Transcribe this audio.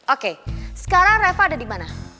oke sekarang reva ada di mana